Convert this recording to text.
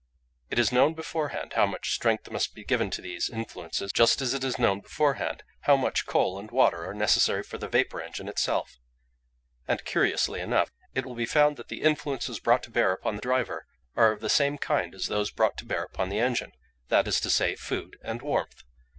It is known beforehand how much strength must be given to these influences, just as it is known beforehand how much coal and water are necessary for the vapour engine itself; and curiously enough it will be found that the influences brought to bear upon the driver are of the same kind as those brought to bear upon the engine—that is to say, food and warmth.